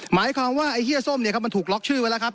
หมายความว่าไอ้เฮียส้มเนี่ยครับมันถูกล็อกชื่อไว้แล้วครับ